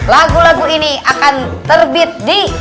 lagu lagu ini akan terbit di